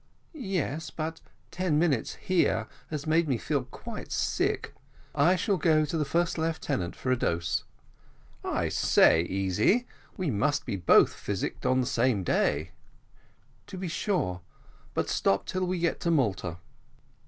"Yes, but ten minutes here has made me feel quite sick. I shall go to the first lieutenant for a dose." "I say, Easy, we must both be physicked on the same day." "To be sure; but stop till we get to Malta."